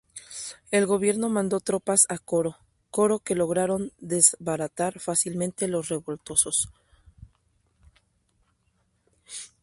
El gobierno mando tropas a Coro Coro que lograron desbaratar fácilmente a los revoltosos.